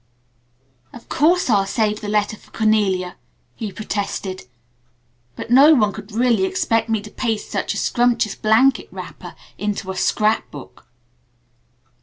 "Of course I'll save the letter for Cornelia," he protested, "but no one could really expect me to paste such a scrumptious blanket wrapper into a scrap book."